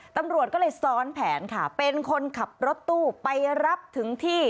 ตำรวจก็เลยซ้อนแผนค่ะเป็นคนขับรถตู้ไปรับถึงที่